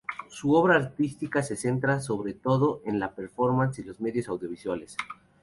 Su obra artística se centra sobre todo en la "performance" y los medios audiovisuales.